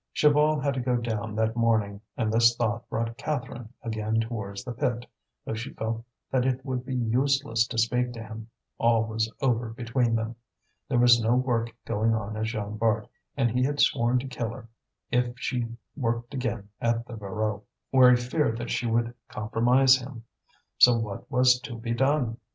Chaval had to go down that morning, and this thought brought Catherine again towards the pit, though she felt that it would be useless to speak to him: all was over between them. There was no work going on at Jean Bart, and he had sworn to kill her if she worked again at the Voreux, where he feared that she would compromise him. So what was to be done?